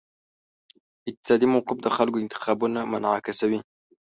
اقتصادي موقف د خلکو انتخابونه منعکسوي.